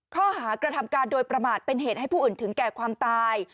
ข้อหากระทำการโดยประมาทเป็นเหตุให้ผู้อื่นถึงแก่ความตาย